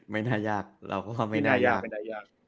ไม่น่ายากเราก็ว่าไม่น่ายากไม่น่ายาก